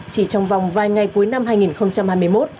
chỉ trong vòng vài ngày cuối năm hai nghìn hai mươi một